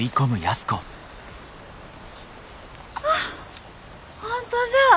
あっ本当じゃあ。